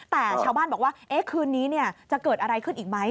แต่ชาวบ้านบอกว่าคืนนี้จะเกิดอะไรขึ้นอีกไหม